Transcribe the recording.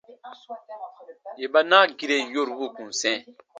Yè ba naagiren yorubu kùn sɛ̃.